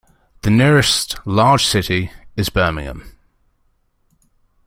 The nearest large city is Birmingham.